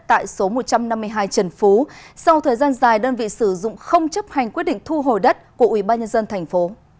tại số một trăm năm mươi hai trần phú sau thời gian dài đơn vị sử dụng không chấp hành quyết định thu hồi đất của ủy ban nhân dân tp